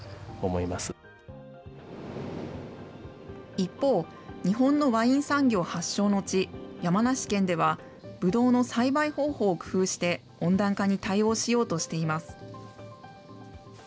一方、日本のワイン産業発祥の地、山梨県ではぶどうの栽培方法を工夫して、温暖化に対応しようとしています。